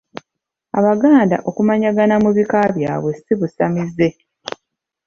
Abaganda okumanyagana mu bika byabwe si busamize.